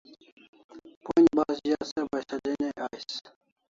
Pon'j bas za se Bashaleni ai ais